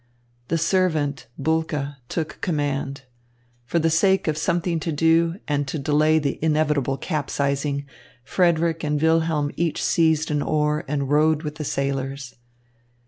The servant, Bulke, took command. For the sake of something to do and to delay the inevitable capsizing, Frederick and Wilhelm each seized an oar and rowed with the sailors.